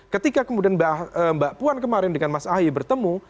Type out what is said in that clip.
ketika kemudian mbak puan kemarin dengan mas ahy bertemu